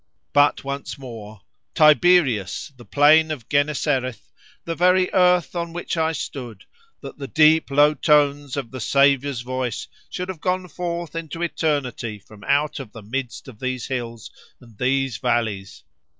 But once more—"Tiberias—the plain of Gennesareth—the very earth on which I stood—that the deep low tones of the Saviour's voice should have gone forth into eternity from out of the midst of these hills and these valleys!"